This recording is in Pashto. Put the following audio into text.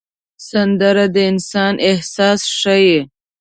سندره د انسان احساس ښيي